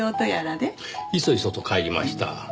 いそいそと帰りました。